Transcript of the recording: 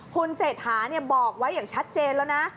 คุณเศรษฐาบอกไว้อย่างชัดเจนแล้วนะ